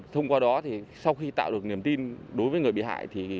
thông qua đó thì sau khi tạo được niềm tin đối với người bị hại